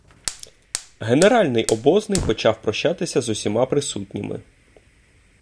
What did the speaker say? Генеральний обозний почав прощатися з усіма присутніми.